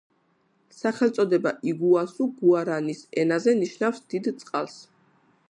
სახელწოდება იგუასუ გუარანის ენაზე ნიშნავს „დიდ წყალს“.